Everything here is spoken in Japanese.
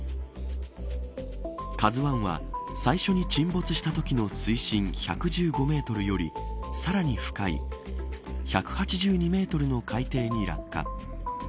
ＫＡＺＵ１は最初に沈没したときの水深１１５メートルよりさらに深い１８２メートルの海底に落下。